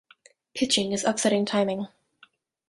Pitching is upsetting timing.